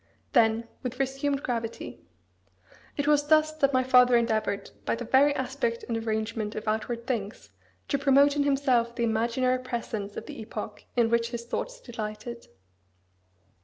Then, with resumed gravity "It was thus that my father endeavoured, by the very aspect and arrangement of outward things, to promote in himself the imaginary presence of the epoch in which his thoughts delighted.